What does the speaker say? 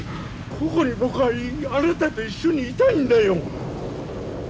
ここに僕はあなたと一緒にいたいんだよ。